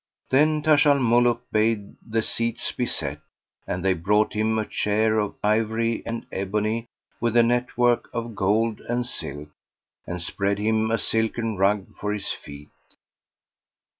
"[FN#477] Then Taj al Muluk bade the seats be set, and they brought him a chair of ivory and ebony with a net work of gold and silk, and spread him a silken rug for his feet.